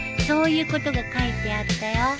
そういうことが書いてあったよ